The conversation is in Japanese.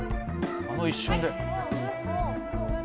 あの一瞬で。